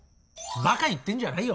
ばか言ってんじゃないよ